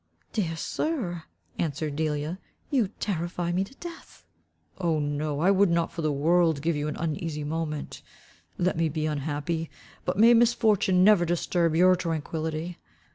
"Dear Sir," answered Delia, "you terrify me to death." "Oh, no. I would not for the world give you an uneasy moment. Let me be unhappy but may misfortune never disturb your tranquility.